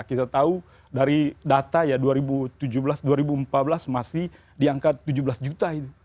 kita tahu dari data ya dua ribu tujuh belas dua ribu empat belas masih di angka tujuh belas juta itu